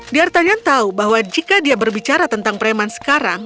diartanyan tahu bahwa jika dia berbicara tentang preman sekarang